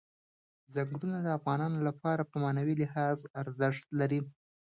ځنګلونه د افغانانو لپاره په معنوي لحاظ ارزښت لري.